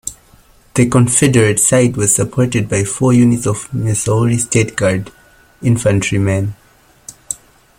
The Confederate side was supported by four units of Missouri State Guard infantrymen.